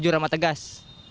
juru ramah tegas